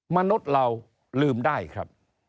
มนุษย์เราลืมได้ครับ